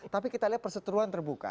tapi kita lihat perseteruan terbuka